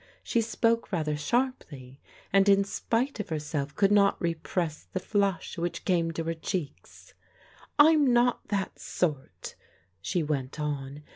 She spoke rather sharply, and in spite of herself could not repress the flush which came to her cheeks. " I'm not that sort," she went on.